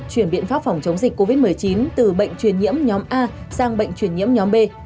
chuyển biện pháp phòng chống dịch covid một mươi chín từ bệnh truyền nhiễm nhóm a sang bệnh truyền nhiễm nhóm b